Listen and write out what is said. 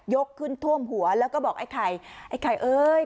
ขึ้นท่วมหัวแล้วก็บอกไอ้ไข่ไอ้ไข่เอ้ย